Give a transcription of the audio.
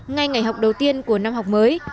ngay ngày học đầu tiên của năm học mới